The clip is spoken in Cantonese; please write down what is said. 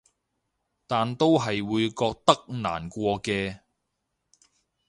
但都係會覺得難過嘅